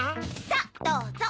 さぁどうぞ！